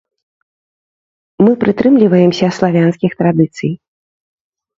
Мы прытрымліваемся славянскіх традыцый.